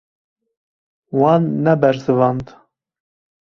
Wan nebersivand.